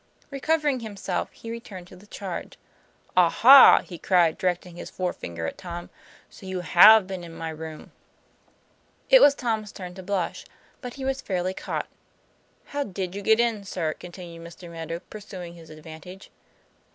Recovering himself, he returned to the charge. "Aha!" he cried, directing his forefinger at Tom. " So you have be'en in my room ?" TOM PLA YFAIR. IS It was Tom's turn to blush; he was fairly caught. " How did you get in, sir ?" continued Mr. Meadow, pursuing his advantage.